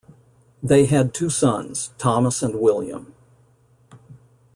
They had two sons, Thomas and William.